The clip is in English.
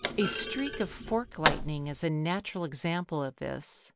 A streak of fork lightning is a natural example of this.